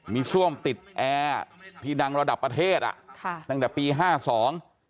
มีซ่วมติดแอร์ที่ดังระดับประเทศอ่ะค่ะตั้งแต่ปีห้าสอง